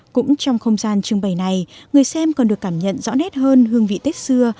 cũng trong không gian trưng bày này người xem còn được cảm nhận rõ nét hơn hương vị tết xưa